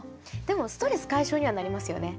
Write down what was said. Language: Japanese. でもストレス解消にはなりますよね。